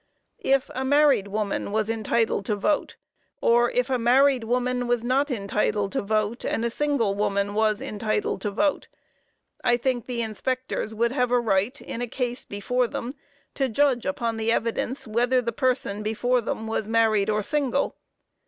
If a married woman was entitled to vote, or if a married woman was not entitled to vote, and a single woman was entitled to vote, I think the inspectors would have a right in a case before them, to judge upon the evidence whether the person before them was married or single.